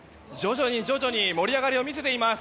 徐々に盛り上がりを見せています。